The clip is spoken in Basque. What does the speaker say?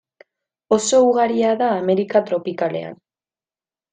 Oso ugaria da Amerika tropikalean.